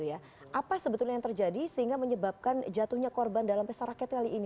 apa sebetulnya yang terjadi sehingga menyebabkan jatuhnya korban dalam pesta rakyat kali ini